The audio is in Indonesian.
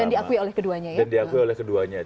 dan diakui oleh keduanya ya dan diakui oleh keduanya